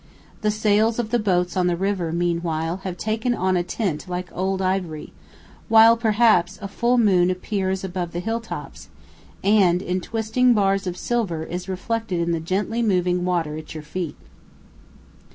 The sails of the boats on the river meanwhile have taken on a tint like old ivory, while perhaps a full moon appears above the hill tops, and in twisting bars of silver is reflected in the gently moving water at your feet.